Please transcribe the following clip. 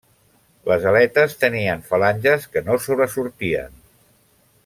Les aletes tenien falanges que no sobresortien.